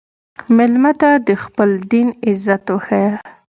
مېلمه ته د خپل دین عزت وښیه.